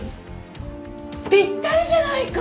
ぴったりじゃないか！